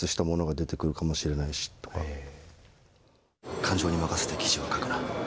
感情に任せて記事は書くな。